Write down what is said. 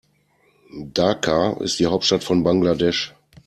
Dhaka ist die Hauptstadt von Bangladesch.